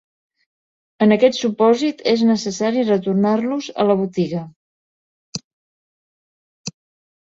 En aquest supòsit és necessari retornar-los a la botiga.